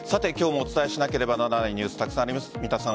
今日もお伝えしなければならないニュース、たくさんあります。